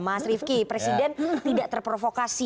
mas rifki presiden tidak terprovokasi